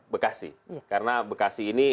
bekasi karena bekasi ini